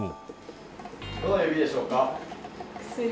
どの指でしょうか？